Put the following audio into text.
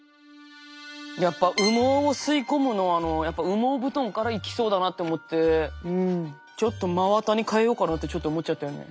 やっぱ羽毛を吸い込むのやっぱ羽毛布団からいきそうだなって思って真綿に替えようかなってちょっと思っちゃったよね。